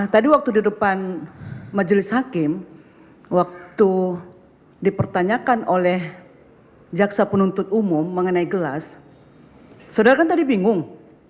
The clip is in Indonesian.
tadi waktu di depan majelis hakim waktu dipertanyakan oleh jaksa penuntut umum mengenai gelas saudara kan tadi bingung